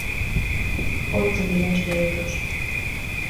Oito millóns de euros.